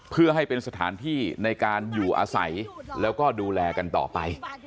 เพื่อให้เป็นสถานที่ในการอยู่อาศัยแล้วก็ดูแลกันต่อไป